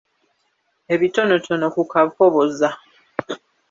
Ebitonotono ku Kakoboza.